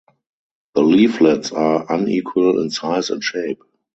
The leaflets are unequal in size and shape.